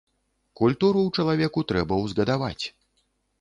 Культуру ў чалавеку трэба ўзгадаваць.